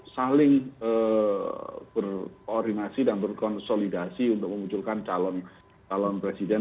saling berkoordinasi dan berkonsolidasi untuk memunculkan calon presiden